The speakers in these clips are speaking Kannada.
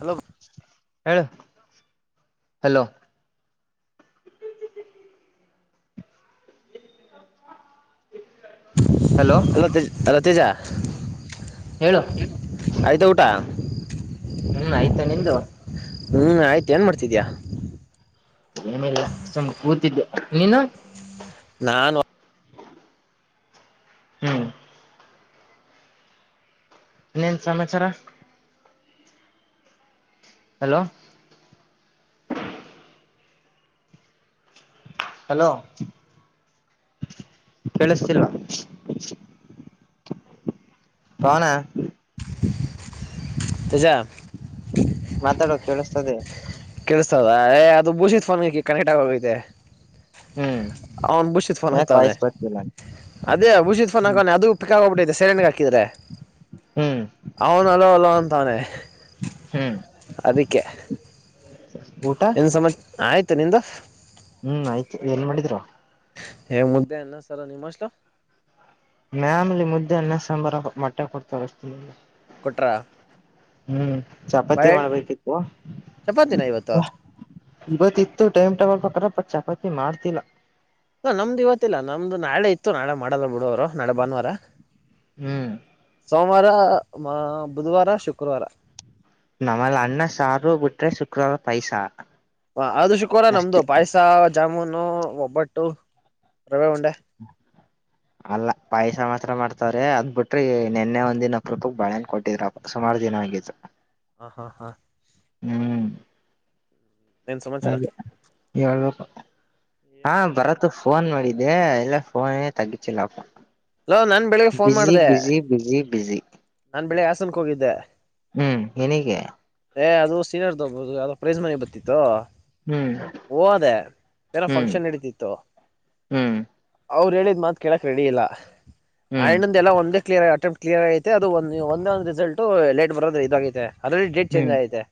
ಹಲೋ ಹೇಳ [unintelligible] ಹಲೋ ಹಲೋ ಅಲೋ ತೇಜಾ ಹೇಳು ಆಯತ ಊಟಾ ಹ್ಮ್ ಆಯ್ತಾ ನಿಂದು ಹ್ಮ್ ಆಯ್ತು ಏನ್ ಮಾಡ್ತಿದಯ ಏನಿಲ್ಲ ಸುಮ್ ಕೂತಿದ್ದೆ ನೀನು ನಾನಾನ ಹ್ಮ್ ಇನ್ನೇನ್ ಸಮಾಚಾರ ಹಲೋ ಹಲೋ ಕೇಳಿಸ್ತಿಲ್ಲ ಪವನ ತೇಜ ಮಾತಾಡೋ ಕೇಳಸ್ತದೆ ಅದು ಭೂಷಿದತ್ ಫೋನ್ ಕನೆಕ್ಟ್ ಆಗ ಹೋಗತೆ ಹ್ಮ್ [unintelligible] ಅವನು ಬಸತ್ಫೋನ್ [unintelligible] ಯಾಕ್ ಹಕ್ತಾವಾನೇ ವಾಯ್ಸ್ ಬರ್ತಿಲ್ಲ ಅದೇ ಉುಷಿತ್ [unintelligible] ಫೋನ್ ಹಾಕಾನೆ ಅದು ಪಿಕ್ ಆಗೋಗ್ಬಿಟ್ಟೈತೆ ಸೆರಣಂಡಗೆ ಹಾಕಿದ್ರೆ ಹ್ಮ್ ಅವನ ಅಲ್ಲೋ ಅಲೋ ಅಂತವಾನೆ ಅದಕ್ಕೆ ಹ [unintelligible] ಇನ್ ಸಮಾಚಾರ ಆಯ್ತು ನಿಂದ ಹ್ಮ್ ಆಯ್ತು ಏನ್ ಮಾಡಿದ್ರು ಹೇ ಮುದ್ದೆ ಎನ್ನ ಸರ ನಿಮ್ಮಷ್ಟಲ ಮ್ಯಾಮ್ಲಿ ಮುದ್ದೆ ಅನ್ನ ಸಾಂಬಾರ ಮಟ್ಟೆ ಕೊಡ್ತಾರೆಷ್ಟ ಕೊಟ್ರಾ ಹ್ಮ್ ಚಪಾತಿ ಮಾಡ್ಬೇಕಿತ್ತು ಚಪಾತಿನ ಇವತ್ತು ಇವತ್ತ ಇತ್ತು ಟೈಮ್ ಟ ಅ್ರಪ್ಪ ಚಪಾತಿ ಮಾಡ್ತಿಲ್ಲ ನಮ್ದು ಇವತ್ತಿಲ್ಲ ನಮ್ದ ನಾಳೆ ಇತ್ತು ನಾಳೆ ಮಾಡಲ್ಲ ಬಿಡುೋ ನಡ ಭಾನುವಾರ ಹ್ಮ್ ಸೋಮ ಸೋಮವಾರ ಮ ಬುಧವಾರ ಶುಕ್ರವಾರ ನಮ್ಮಲ್ ಅಣ್ಣ ಸಾರು ಬಿಟ್ರೆ ಶುಕ್ರವಾರ ಪೈಸ ಹ ಅದು ಶುಕವರ ನಮ್ದು ಪಾಯಸ ಜಾಮೂನು ಒಬ್ಬಟ್ಟು ರವೆ ಉಂಡೆ ಅಲ್ಲ ಪಾಯಸ ಮಾತ್ರ ಮಾಡ್ತವ್ರೀ ಅದ್ ಬಿಟ್ರಿ ನಿನ್ನೆ ಒಂದಿನಕ್ಕ ರೂಪಕ್ ಬಳೆನ್ ಕೊಟ್ಟಿದ್ರಪ್ಪ ಸುಮಾರ ಜನ ಹಾ ಹಾ ಹಾ ಹ್ಮ್ ಏನ್ ಸಮಾಚಾರ ಹಾಗೆ ಹಳ್ಬೇಕು ಹಾ ಬರತ್ತ ಫೋನ್ ಮಾಡಿದ ಅೇ ಇಲ್ಲ ಫೋನೇ ತಗಚಲ್ಲಾಕ ಅಲೋ ನಾನ್ ಬೆಳಿಗ್ಗೆ ಫೋನ್ ಮಾಡ್ದೆ ಬಿಸಿ ಬಿಸಿ ನಾನ್ ಬೆಳಿಗ್ಗೆ ಹಾಸನಕ್ಕೆ ಹೋಗಿದ್ದೆ ಹ್ಮ್ ಇನಗೆ ಏ್ ಅದು ಸೀನಿಯರ್ ಹಬೋದು ಅ ಪ್ರೈ್ ಮನೆ ಬರ್ತಿತ್ತು ಹ್ಮ್ ಹಓ ಅದೇ ಏನ ಹ್ಮ್ ಫಂಕ್ಷನ್ ನಡೀತಿತ್ತು ಹ್ಮ್ ಅವ್ರು ಹೇಳಿದ್ ಮಾತ್ ಕೇಳಕ್ ರೆಡಿ ಇಲ್ಲ ಹ್ಮ್ ಆಯ್್ಣಂದ ಎಲ್ಲ ಒಂದೇ ಕ್ಲಿಯರ್ಗ ಅಟೆಂ್ಟ ಕ್ಲಿಯರ್ ಆಗೈತೆ ಅದು ಒಂದು ಒಂದ ಒಂದು ರಿಸಲ್ಟ್ ಲೇಟ್ ಬೋದುೆ ಇದಾಗೈತೆ ಅಲ್ ಡೇಟ್ ಚೇಂಜ್ ಹ್ಮ್ ಆಐತೆ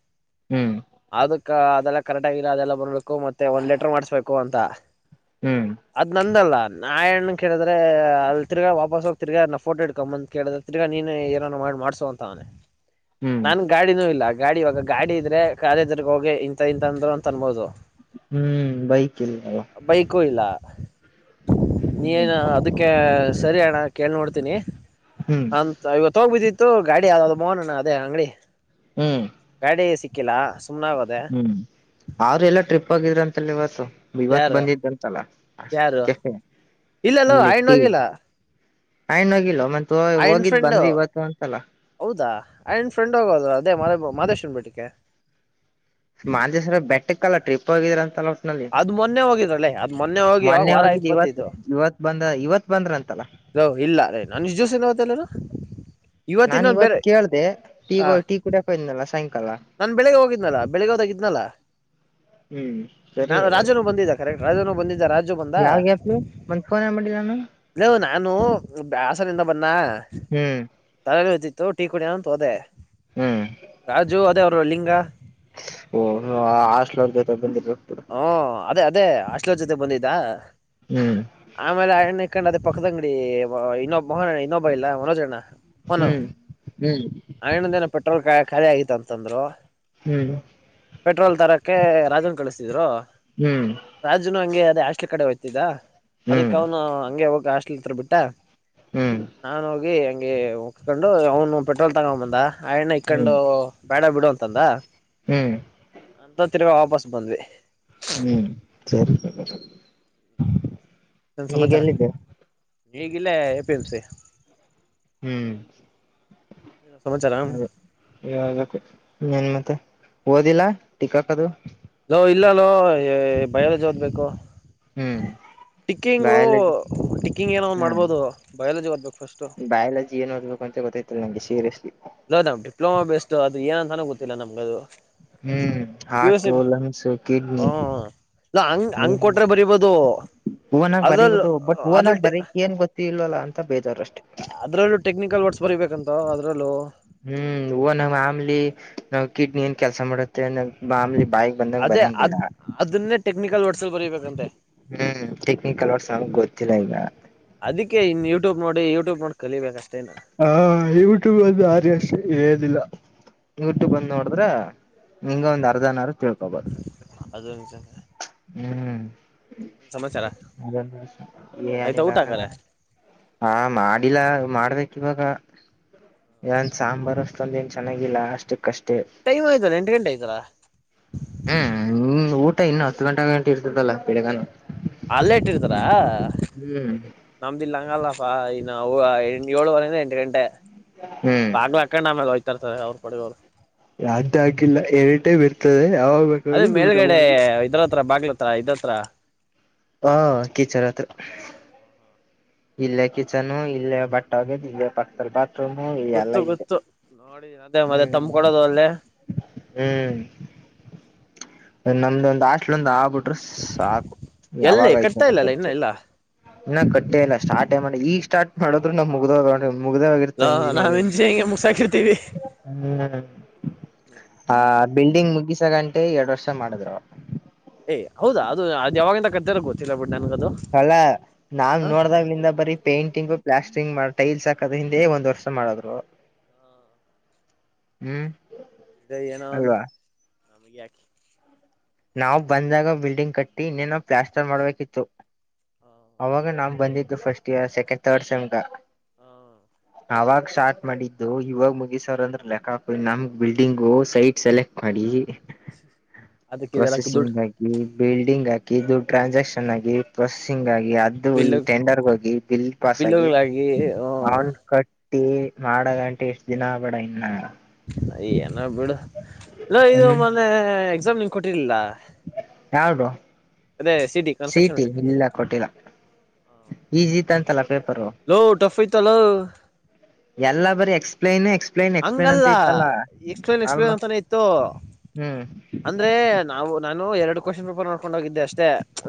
ಹ್ಮ್ ಆದ ಅದೆಲ್ಲ ಕರೆಕ್ಟ್ ಆಗಿಲ್ಲ ಅದೆಲ್ಲ ಬರ್ಬೇಕು ಮತ್ತೆ ಒಂದ್ ಲೀಟರ್ ಮಾಡಸ್್ಬೇಕು ಅಂತ ಹ್ಮ್ ಅದ್ ನಂದಲ್ಲ ನಾಯಣ್ಣ ಕೇಳಿದ್ರೆ ಅಲ್ ತಿರ್ಗ ವಾಪಸ್ ಹೋಗಿ ತಿರ್ಗ ನ ಫೋಟೋ ಇಡ್ಕೊಂಬಂದ ಕೇಳೆ ತಿಗಾ ನೀನು ಏನೋ ಮಾಡಸ ಅಂತ ಅವನನೆ ಹ್ಮ್ ನಾನ್ ಗಾಡಿನೂ ಇಲ್ಲ ಗಾಡಿ ಇವಾಗ ಗಾಡಿ ಇದ್ರೆ ಕಾಲೇಜರ್ ಹೋಗಿ. ಇಂತ ಅಂದ್ರು ಅಂತ ಅನ್ಬೋದು ಹ್ಮ್ ಬೈಕ್ ಇಲ್ಲ ಬೈಕು ಇಲ್ಲ ಹ್ಮ್ ಹ್ಮ್ ನೀನು ಅದಕ್ಕೆ ಸರಿಯಣ ಕೇಳ್ ನೋಡ್ತೀನಿ ಹ್ಮ್ ಅಂತ ಇವ ತೋಗ್ಬಿದ್ದಿತ್ತು ಗಾಡಿ ಅದದು ಮೋನ್ಣ ಅದೇ ಅಂಗಡಿ ಹ್ಮ್ ಗಾಡಿ ಸಿಕ್ಕಿಲ್ಲ ಸುಮ್ನ ಆಗೋದೆ ಹ್ಮ್ ಅವ್ರ ಎಲ್ಲ ಟ್ರಿಪ್ ಆಗಿದ್ರಂತಲ್ಲ ಇವತ್ತು ಇವತ್ತು ಯಾರು ಬಂದಿದಂತಲ್ಲ ಕೆಸ ಇಲ್ಲಲ್ಲ ಆಯಣ್ಣ ಹೋಗಿಲ್ಲ ಯನ್ ಹೋಗಿಲ್ಲ ಮತ್ ಆಯಣ್ಣ ಹೋಗಿದ್ ಬಂದ್ವಿ ಇವತ್ತುಂತಲ್ಲ ಆನ್್ ಫ್ರೆಂಡ್ ಹೋಗೋದರು ಅದೇ ಮ ಮಾದೇಶ್ನ್ಬೇಟ್ಟಿಕೆ ಮಾಂಜೇಶ್ವರ ಬೆಟ್ಟಿಕ್ಕಲ್ಲ ಟ್ರಿಪ್ ಹೋಗಿದ್ರ ಅಂತಲ್ಲ ಲ್ಲಿ ಅದ್ ಮೊನ್ನೆ ಹೋಗಿದ್ರಲ್ಲೇ ಅದ್ ಮೊನ್ನೆ ಹೋಗಿ ಯಾವಾಗ ವಾರ ಮಾನ್ಯವಾಗಿದ್ದ ಆಯ್ತು ಇವತ್ ಇವತ್ ಬಂದ ಇವತ್ ಬಂದ್ರ ಅಂತಲ್ಲ ಹ ಇಲ್ಲ ಅದೇ ನಾನು ನಿಜ ಜ್ಯೂಸ ಏನಾವತ್ತಲ್ಲಾರ ನಾನ್ ಇವತ್ ಕೇಳ್ದ ಟೀ ಟೀ ಕುಟಕ ಇದನಲ್ಲಂ ನಾನ್ ಬೆಳಿಗ್ಗೆ ಹೋಗಿದ್ನಲ್ಲ ಬೆಳಿಗ್ಗೆ ಹೋದಾಗಿದ್ನಲ್ಲ ಹ್ಮ್ ನಾ ರಾಜನು ಬಂದಿದ್ದ ಕರೆಕ್ ರಾಜನ ಬಂದಿದ್ದ ರಾಜ ಯಾವ್ಯಾಪ್ ಮಂದತ್ ಫೋನ್ ಏನ್ ಮಾಡಿದ್ದಿ ನಾನು ನೀವು ನಾನು ಹಾಸನಿಂದ ಬನ್ನ ಹ್ಮ್ ತಲಲಿ ಹತಿಿತ್ತು ಟೀ ಕುಡಿಯಂತ ಹೋದೆ ಹ್ಮ್ ರಾಜು ಅದೇ ಅವರು ಲಿಂಗ ಓ ಹಾಸ್ಟ್ಲರ್ ಜೊತೆ ಬಂದಿರ್ಬೇಕ ಹ ಅದೇ ಅದೇ ಅಷ್ಟಲೋ ಜೊತೆ ಬಂದಿದ್ದು ಹ್ಮ್ ಾ ಆಮೇಲೆ ಅಣ್ಣ ಹಾಕಂಡ್ ಅದೇ ಪಕ್ಕದ ಅಂಗಡಿ ಇನ್ನೊಬ್ ಮ ಇನ್ನೊಬಾ ಇಲ್ಲ ಮನೋಜಣ್ಣ ಹನು ಹ್ಮ್ ಹ್ಮ್ ಆಯನೊಂದ ಏನ ಪೆಟ್ರೋಲ್ ಖಾಲಿ ಆಗಿತ ಅಂತಂದ್ರು ಹ್ಮ್ ಪೆಟ್ರೋಲ್ ತರಕ್ಕೆ ರಾಜನ್ ಕಳಿಸಿದ್ರು ರಾಜುನು ಹಂಗೆ ಯಾರ ಅದೇ ಹಾಸ್ಟೆಲ್ ಕಡೆ ಹೋಗ್ತಿದ್ದ ಹ್ಮ್ ಅದಕ್ಕ ಹ್ಮ್ ಅವನು ಹಂಗೆ ಹೋಗ ಹಾಸ್ಟೆಲ್ ಹತ್ರ ಬಿಟ್ಟ ಹ್ಮ್ ನಾ ಹೋಗಿ ಹಗೆ ಉಕೊಂಡು ಅವನು ಪೆಟ್ರೋಲ್ ತಗೊಂಡ ಬಂದ ಆಯಣ್ಣ ಹ್ಮ್ ಇಕೊಂಡು ಬೇಡ ಬಿಡು ಅಂತಂದ ಹ್ಮ್ ಅಂತ ತಿರಗಾ ವಾಪಸ್ ಬಂದ್ವಿ ಹ್ಮ್ ಸರಿ [unintelligible] ಏನ್ ಸಮಾಚಾರ ಈಗೆಲ್ಲಿದ್ದೆ ಇಗಿಲ್ಲೇ ಎ ಪಿ ಎಂ ಸಿ ಹ್ಮ್ ಸಮಾಚಾರ ಅದೇ ಹೇಳ್ಬೇಕು ಇನ್ನೆನ್ ಮತ್ತೆ ಓದಿಲ್ಲ ಟಿಕ್ಕಕದು ಲೋ ಇಲ್ಲ ಲೋ ಎ ಬಯಾಲಜಿ ಓದ್ಬೇಕು ಹ್ಮ್ ಟಿಕ್ಕಿಂಗ್ ಬಯಾಲಜಿ ಟಿಕ್ಕಿಂಗ್ ಏನೋ ಒಂದ್ ಹ್ಮ್ ಮಾಡ್ಬೋದು ಬಯಾಲಜಿ ಓದಬೇಕ್ ಬಯಾಲಜಿ ಏನ್ ಓದ್ಬೇಕು ಅಂತ ಗೊತ್ತೈತ್ತಿಲ್ಲ ನಂಗೆ ಸೀರಿಯಸ್ಲಿ ಲೋ ನಮ್ ಡಿಪ್ಲೊಮಾ ಬೇಸ್ ಅದು ಏನಂತನ ಗೊತ್ತಿಲ್ಲ ಅದು ನಮ್ಗದು ಹ್ಮ್ P U C heart lungs kidney ಹ್ಮ ಇಲ್ಲ ಹಂಗ್ ಹಂಗ ಕೊಟ್ರೆ ಬರಿಬೋದು ಒನಾಗಿ ಅದ್ರಲ್ ಬರಿಬಹುದು ಬಟ್ ಒನಾಗಿ ಅದ್ರಲ್ ಬರಿಯಕ್ ಏನ್ ಗೊತ್ತಿಲ್ವಾಲ್ಲ ಅಂತ ಬೇಜಾರು ಅಷ್ಟೇ. ಅದರಲ್ಲೂ ಟೆಕ್ನಿಕಲ್ ವಾರ್ಡ್ಸ್ ಬರೀಬೇಕಂತೊ ಅದರಲ್ಲೂ ಹ್ಮ್ ಒನ ಮಾಮುಲಿ ನಾವ್ ಕಿಡ್ನಿ ಏನ್ ಕೆಲಸ ಮಾಡತ್ತೆ ನ ಮಾಮೂಲಿ ಬಾಯಿಗ್ ಬಂದಂಗ ಅದೇ ಅದ್ ಬರಂಗಿಲ್ಲ ಅದನ್ನೇ ಟೆಕ್ನಿಕಲ್ ವರ್ಡ್ಸ್ ಅಲ್ಲಿ ಬರಿಬೇಕಂತೆ. ಹ್ಮ್ ಟೆಕ್ನಿಕಲ್ ವರ್ಡ್ಸ್ ಗೊತ್ತಿಲ್ಲ ಈಗ ಕೆ ಇನ್ ಯೂಟ್ಯಬ್ ನೋಡಿ ಯೂಟ್ಯೂಬ್ ನೋಡ್ ಕಲೀಬೇಕ್ ಅ ಹಾ ಯೂಟ್ಯೂಬ್ ಅದು ಆರಿ ಅಷ್ಟೆ ಹೇಳದಿಲ್ಲ ಯೂಟ್ಯೂಬ್ ಅಲ್ಲಿ ನೋಡಿದ್ರೆ ಹಂಗೊ ಒಂದ್ ಅರ್ಧನಾರು ತಿಳ್ಕೊಬೋದು ಅದು ನಿಜ. ಹ್ಮ್ ಏನ್ ಸಮಾಚಾರ [unintelligible] ಆಯ್ತಾ ಏನಿಲ್ಲ ಊಟ ಕಣೋ ಹಾಕಲ್ಲ ಹಾ ಮಾಡಿಲ್ಲ ಮಾಡ್ಬೇಕ್ ಕಿ ಇವಾಗ ಏನ್ ಸಾಂಬಾರ್ ಅಷ್ಟೊಂದ್ ಏನ್ ಚೆನ್ನಾಗಿಲ್ಲ ಅಷ್ಟು ಕಷ್ಟೇ ಟೈಮ್ ಆಯ್ತಲ್ಲ ಎಂಟು ಗಂಟೆ ಆಯ್ತಲ್ಲ ಹ್ಮ್ ಊಟ್ ಟ ಇನ್ನು ಹತ್ತು ಗಂಟೆ ಗಂಟ ಇರ್ತದಲ್ಲ ಬೆಳಗಾನೂ ಅಲ್ಲೇ ಇಟ್ಟಿರ್ತಾರ ನಮ್ದೂ ಇಲ್ಲಿ ಹಂಗಲ್ಲ ಸರ್ ನಾವು ಏಳುವರೆ ಇಂದ ಎಂಟು ಗಂಟೆ ಹ್ಮ್ ಬಾಗ್ಲೂ ಹಾಕೊಂಡ್ ಆಮೇಲೆ ಹೊ ತರ್ತಾರೆ ಅವರು ಪಡಿಗೆ ಅವರು ಯಾವುದ್ ಆಗಿಲ್ಲ ಏನಿ ಟೈಮ್ ಇರ್ತದೆ ಯಾವಾಗ ಅದೇ ಬೇಕಾದ್ರೂ ಊಟ ಮೇಲ್ಗಡೆ ಮಾಡ ಇದ್ರ್ ಹತ್ತಿರ ಬಾಗಲ್ ಹತ್ತಿರ ಇದರ ಹತ್ರ ಹಾ ಕಿಚನ್ ಅತ್ರ ಇಲ್ಲೇ ಕಿಚ್ಚನು ಇಲ್ಲೇ ಬಟ್ಟೆ ಹೊಗಯೋದ್ ಇಲ್ಲೇ ಪಕ್ಕದಲ್ಲಿ ಬಾ [unintelligible] ಎಲ್ಲಾ ಗೊತ್ತು ಇಲ್ಲೆ ಗೊತ್ತು ನೋಡಿ ಅದೇ ಮತ್ತೆ ಹ್ಮ್ ತಂಬ್ ಕೊಡೋದು ಅಲ್ಲೇ ಹ್ಮ್ ನಮ್ದೊಂದು ಹಾಸ್ಟೆಲ್ ಒಂದ್ ಆಗ್ಬಿಟ್ಟು ಸಾಕು ಎಲ್ಲಿ ಯಾವಾಗಯ್ತು ಕಟ್ತಾ ಅಂತ ಇಲ್ಲಲ್ಲ ಇನ್ನ ಗೊತ್ತಿಲ್ಲ ಇಲ್ಲ ಇನ್ನ ಕಟ್ಟೇಲ್ಲೆ ಇಲ್ಲ ಸ್ಟಾರ್ಟೇ ಈಗ ಸ್ಟಾರ್ಟ ಮಾಡುದ್ರೂ ನಾ ಮುಗ ಮುಗ್ದೋಗಿರ್ತ ನಾ- ನಾವ್ ಇಂಜಿನಿಯರಿಂಗ್ ಮುಗ್ಸಾಕಿರ್ತೀವಿ ಹ್ಮ್ ಆ ಬಿಲ್ಡಿಂಗ್ ಮುಗಿಸಾಗಂಟೆ ಎರಡ್ ವರ್ಷ ಮಾಡಿದ್ರೂ ಏ ಹೌದಾ ಅದು ಅದು ಯಾವಾಗಿಂದ ಕಟ್ಟಾತ ಗೊತ್ತಿಲ್ಲ ಬಿಡ್ ನನ್ಗದು ಅಲ್ಲಾ ನಾನ್ ಹ ನೋಡ್ದಾಗ್ಲಿಂದ ಬರೀ ಪೇಂಟಿಂಗು ಪ್ಲಾಸ್ಟ್ರಿಂಗು ಮಾಡ್ ಟೈಲ್ಸ್ ಹಾಕದ ಹಿಂದೆ ಒಂದ್ ವರ್ಷ ಮಾಡದ್ರು ಹ್ಮ್ ಬಿಡೊ ಏನೊ ಒಂದು ಅಲ್ವಾ ನಮಗೆ ಯಾಕೆ ನಾವು ಬಂದಾಗ ಬಿಲ್ಡಿಂಗ್ ಕಟ್ಟಿ ಇನ್ನೇನೋ ಪ್ಲಾಸ್ಟರ್ ಮಾಡ್ಬೇಕಿತ್ತು. ಹ ಅವಾಗ ನಾನ್ ಬಂದಿದ್ದು ಫಸ್ಟ್ ಇಯರ್ ಸೆಕೆಂಡ್ ಥರ್ಡ ಸೆಮ್ಗ ಹ ಆವಾಗ್ ಸ್ಟಾರ್ಟ್ ಮಾಡಿದ್ದು ಇವಾಗ ಮುಗಿಸ್ ಅವರೆ ಅಂದ್ರೆ ಲೆಕ್ಕಾ ಹಾಕು ನಮ್ ಬಿಲ್ಡಿಂಗ್ ಸೈಟ್ ಸೆಲೆಕ್ಟ್ ಮಾಡಿ. ಇ ಇ [unintelligible] ಪ್ರೊಸೆಸಿಂಗ್ ಆಗಿ ಬಿಲ್ಡಿಂಗ್ ಹಾಕಿ ಇದು ಟ್ರಾನ್ಸಾಕ್ಷನ್ ಆಗಿ ಪ್ರೊಸೆಸಿಂಗ್ ಆಗಿ ಈ ಅದು ಬಿಲ್ಲು ಟೆಂಡರ್ಗ್ ಹೋಗಿ ಬಿಲ್ ಪಾಸ್ ಆಗಿ ಬಿಲ್ಲುಗಳಾಗಿ ಅವನ್ ಕಟ್ ತ್ತೇ ಮಾಡಗಂಟ ಎಷ್ಟ್ ದಿನ ಆಗ್ಬೇಡ ಇನ್ನ ಯ ಏನ ಬಿಡು ನ ಇದು ಹ್ಮ್ ಮೊನ್ನೆ ಎಕ್ಸಾಮ್ ನಿಂಗ ಕೊಟ್ಟಿರ್ಲಿಲ್ಲ ಯಾವ್ದು ಅದೇ ಸಿಟಿ ಕನ್ಸ್ಟ್ರಕ್ಷನ್ ಸೀಟಿ ಟೆಕ್ನಿಕ್ಸ್ ಇಲ್ಲ ಕೊಟ್ಟಿಲ್ಲ ಈಜೀತ ಅಂತಲ್ಲ ಪೇಪರು ಹಲೋ ಟಫ್ ಐತಲ್ಲೋ ಎಲ್ಲಾ ಬರಿ ಎಸ್ಪ್ಲೈನ್ ಎಕ್ಸ್ ಹಂಗಲ್ಲ ಎಕ್ಸ್ಪಲನ್ ಎಕ್ಸ್ಪನ್ ಆಲ್ಮೋಸ್ಟ್ ಅಂತಾನೆ ಇತ್ತು ಹ್ಮ್ ಅಂದ್ರೆ ನಾವು ನಾನು ಎರಡು ಕ್ವಾಷನ್ ರೂಪ ನೋ ಕೋಂಡ ಹೋಗಿದ್ದೆ ಅಷ್ಟೇ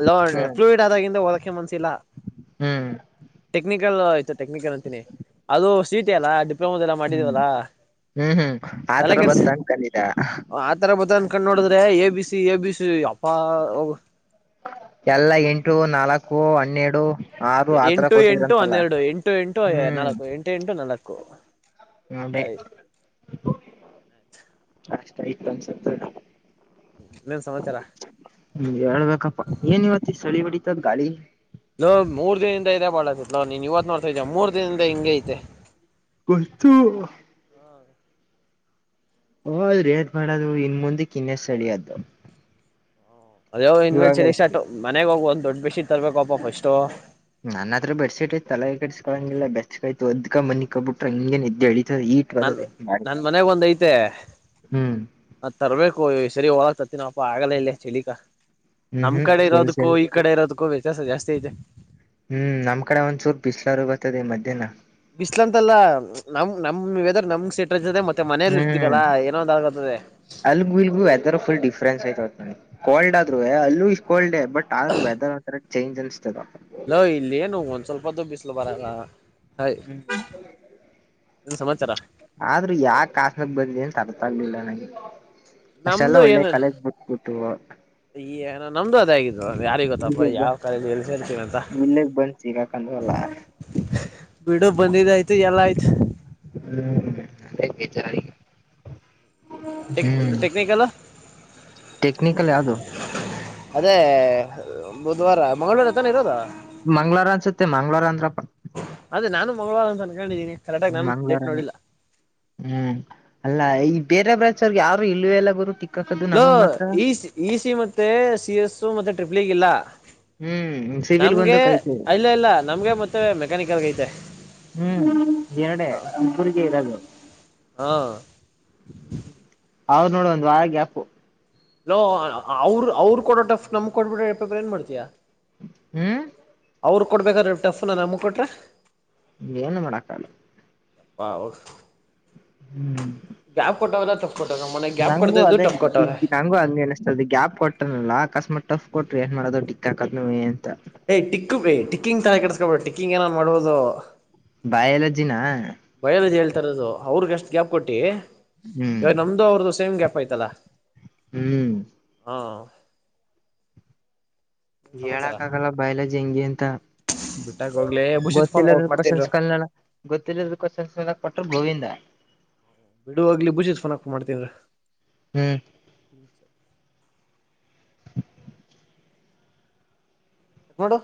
ಲೋ ಹ್ಮ್ ಫ್ಲೂಯಡ್ ಆದಂದ ಓದಕ್ಕೆ ಮನಸಿಲ್ಲ ಹ್ಮ್ ಟೆಕ್ನಿಕ್ ಆಯತು ಟೆಕ್ನಿಕಲ್ ಅಂತಿನಿ ಅದು ಸೀಟಿ ಅಲ್ಲ ಡಿಪ್ಲೋಮೋದದೆಲ್ಲ ಹ್ಮ್ ಮಾಡಿದೀವಲ್ಲಾ ಹ್ಮ್ ಹ್ಮ್ ತಲೆ ಆತರ ಕೆಡಸ ಬತ್ತ ಅನ್ಕಂದಿದ ಆತರ ಬೊತ್ತನ್ ಕಂಡ್ ನೋಡಿದ್ರೆ A B C A B [unintelligible] ಎಲ್ಲ ಎಂಟು ನಾಲ್ಕು ಹನ್ನೆರಡು ಆರು ಆತರ ಎಂಟು ಎಂಟು ಕೊಟ್ಟಿದ್ರಂತಲ್ಲ ಹನ್ನೆರಡು ಎಂಟು ಎಂಟು ನಾಲ್ಕು ಎಂಟು ಎಂಟು ನಾಲ್ಕು ಹಾ ಬೇ ಅಷ್ಟಾಯ್ತು ಅನ್ಸತೆನೋ ಇನ್ನೇನ್ ಸಮಾಚಾರ ಹ್ಮ್ ಹೇಳ್ಬೇಕಪ್ಪಾ ಏನಿವತ್ತ ಚಳಿ ಹೊಡಿ. ಗಾಳಿ ಲೋ ಮೂರ್ ದಿನದಿಂದ ಇದೆ ಬಾಳಸತ್ಲ ನೀನ್ ಇವತ್ ನೋಡ್ತಾ ಇದ ಮೂರ್ ದಿನದ ಹಿಂಗ ಐತೆ. [unintelligible] ಹ್ಮ್ ಹದ್ರೀ ದ ಮಾಡದು ಇನ್ ಮುಂದೆ ಕನ್ನ ಸಳಿ ಅದ್ದು. ಅದ್ಯೋ ಇನ್ಮೇಲ್ ಚಳ ಸ್ಟಾಟ್ ಮನೆಗ ಹೋಗ ಒಂದ್ ದೊಡ್ ಬಿಸಿ ತರ್ಬೇಕಪ್ಪ ಅಷ್ಟು. ನನ್ನ ಹತ್ರ ಬೆಡ್ ಶೀಟ್ ಐ ತಲೆಗೆ ಕಡಸ್ಕಳಂಗಿಲ್ಲ ಬೆಸ್ಕ ಆಯ್ತ್ ಒದ್ಕ ಮನಿ ಕಬ ಬಿಟ್ರ ಹಂಗೇ ನಿದ್ದ್ದೇಳ ಹೇಳಿ. ನನ್ ನನ್ ಮನೆಗ ಒಂದ್ ಐತೆ ಹ್ಮ್ ಅ ತರ್ಬೇಕು ಸರಿ ಹಳ. ಇತ್ತತ್ತಿನಪ್ಪ ಆಗಲೇ ಇಲ್ಲೇ ಚಳಿಕಾ. ಹ್ಮ್ ನಮ್ ಹ್ಮ್ ಕಡೆ ಫುಲ್ ಇರೋದಕ್ಕೂ ಚಳಿ ಈ ಕಡೆ ಇರೋದಕ್ಕೂ ವ್ಯತ್ಯಾಸ ಜಾಸ್ತಿ ಐತೆ. ಹ್ಮ್ ನಮ್ ಕಡೆ ಒಂದ್ ಚೂರು ಬಿಸ್ಲಾರ ಬರ್ತದೆ ಮಧ್ಯಾಹ್ನ. ಬಿಸ್ಲಾ ಅಂತ ಅಲ್ಲಾ ನಮ್ ನಮ್ ವೆದರ್ ನಮ್ ಸಟೆಜಾರ್ ಮತ್ತೆ. ಮನೇಲಿ ಹ್ಮ್ ಇರ್ತೀವಲ್ಲಾ ಏನೋ ಒಂದ್ ಆಗತದೆ ಅಲ್ಗು ಅಲ್ಗು ಎತರುಲ್ ಡಿಫ್ರನ್ಸ್ ಆಐ್ತ. ಕೋಲ್ಡ್ ಆದ್ರು ಅಲ್ಲೂ ಕೋಲ್ಡ್ ಬಟ್ ಆದ್ರೂ ವೆದರ್ ಒರ ಚೇಂಜ್ ಅನ್. ಲೋ ಇಲ್ಲಿ ಏನು ಒಂದ್ ಸ್ವಲ್ಪ ದು ಬಿಸ್ಲು ಬರಲ್ಲ ಹಯ್. ಹ್ಮ್ ನಂದು ಸಮಾಚಾರ. ಆದ್ರೂ ಯಾಕ ಕಾಸ್ಮಕ್ ಬಂದಿ ಅಂತ ಅರ್ಥ ಆಗ್ಲಿಲ್ಲ ನನಗೆ. ಅಷ್ಟೆಲ್ಲ ಒಳ್ಳೆ ಕಾಲೇಜ್ ಬಕ್ಬಟ್ಟು. ಈಏನ ನಮ್ದು ಅದ ಆಗಿದ್ದು ಯಾರಿ ಗೊತ್ತಪ್ಪ ವಿಲೇಜ್ ಯಾವ ಬಂದ್ ಕರಲಿ ಎಲ್ಲಿ ಸೇರ್ತೀವಿ ಅಂತ. ಲ್ಲ. ಬಿಡು ಬಂದಿದ್ದ ಆಯ್ತು ಎಲ್ಲ ಆಯ್ತು. ಹ್ಮ್ ಬೇಕಿತ್ತು ನನಗೆ ಟೆಕ್ನಿಕಲ್. ಟೆಕ್ನಿಕಲ್ ಯಾವುದು. ಅದೇ ಬುಧವಾರ ಮಂಗಳೂರು ಎತ್ತಾನೆ ಇರೋದ. ಮಂಗ್ಳವಾರ ಅನ್ಸುತ್ತೆ ಮಂಗ್ಳವಾರ ಅಂದ್ರಪ್ಪ ಅದೆ ನಾನು ಮಂಗಳಾರ ಅಂತ ಕ ಹೇಳೇಳಿದ್ದಿನಿ. ಹ್ಮ ಮಂಗ್ಳೂರನೇ ಹ್ಮ್ ಅಲ್ಲ ಐ ಬೇರೆ ಬರ್ರಿಗೆ ಯಾರು ಇಲ್ಲ ಎಲ್ಲ ಗುರು. ತಿಕ್ಕಾಕದು ಲೋ ನಮಗ್ ಮಾತ್ರ ಈ ಇ ಸಿ ಮತ್ತೆ ಸಿ ಎಸ್ ಮತ್ತೆ ಟ್ರಿಪ್ಲ್ ಈಗ ಇಲ್ಲ. ಹ್ಮ್ ಸಿವಿಲ್ ನಮ್ಗೆ ಒಂದು ಕೈತೇವೆ ಇಲ್ಲ ಇಲ್ಲ ನಮ್ಗೆ ಮತ್ತೆ ಮೆಕ್ಯಾನಿಕಲ್ಗ ಐತೆ. ಹ್ಮ್ ಎರಡೆ ಪುರ್ರಿಗೆ ಇರದು. ಹಾ. ಅವ್ ನೋಡ ಒಂದು ವಾರ ಗ್ಯಾಪು. ನೋ ಅವರು ಅವ್ರು ಕೊಡೋಟ್ ನಮ್ ಕೊಡ್ಬಿಟ ಯಪಬ್ರು ಏನ್ ಮಾಡ್ತಯಾ. ಹ್ಮ. ಅವ್ರು ಕೊಡ್ಬೇಕಾದ್ರೆ ಟಿಫ್ ನಮ್ಮ್ಗೆ ಕೊಟ್ರೆ. ಏನು ಮಾಡಕ್ಕಲ್ಲ. ಹ ಹೌದು ಹೂ ಯಾವ್ ಕೊಟ್ಟವರ. ನಂಗು ಅದೇ ನಂಗು ಅಂಗನಷ್ಟತ ಗ್ಯಾಪ್ ಕೊಟ್ಟನಲ್ಲ ಅಕಸ್ಮತ್ ಟಫ್ ಕೊಟ್ಟ್ರ ಏನ್ ಮಾಡೋದು ಡಿಕ್ಕ ಕರ್ ಅಂತ. ಯ್ ಟಿಕ್ೈ ಟಿಕ್ಕಿಂಗ್ ತಾನ ಕೆಡಿಸಸ್ಕೊಬೇು ಟಿಕ್ಕಿಂಗ್ ಏನನ್ ಮಾಡಬಹುದು. ಬಯಾಲಜಿನ. ಬಯೋಲಾಜಿ ಹೇಳ್ತಾರೋದು ಅವ್ರಗ್ ಎಷ್ಟು ಗ್ಯಾಪ್ ಕೊಟ್ಟಿ ಹ್ಮ್ ಇವಾಗ ನಮ್ದು ಅವ್ರ್ದು ಸೇಮ್ ಗ್ಯಾಪ್. ಟಫ್ ಐತಲ್ಲ ಹ್ಮ್ ಹಾ ಸಮಾಚಾರ ಹೇಳಕ್ ಆಗಲ್ಲ ಬಯೋಲಾಜಿ ಹೆಂಗೆ ಅಂತ. ಬಿಟ್ಟಾಗ ಹೋಗ್ಲಿ ಬುಷಿತ್ ಫೋನ್ ಗೊತ್ತಿಲ್ಲದೂ ಮಾಡ್ತೇನ್ರು ಕ್ವನ್ಸ್ ಕಲ್ ಗೊತ್ತಿಲ್ಲದ್ರ ಕ್ವಶನ್ಸ್ಲ್ ಕೊಟ್ರ ಗೋವಿಂದ. ಬಿಡುಹೋಗ್ಲಿ ಬುಜತ್ ಫೋನಕ್ ಮಾಡ್ತವ್ರ. ಹ್ಮ್ ಹ ನೋಡು